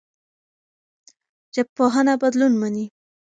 ژبپوهنه بدلون مني.